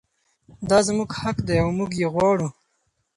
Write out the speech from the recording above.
دا زموږ حق دی او موږ یې غواړو.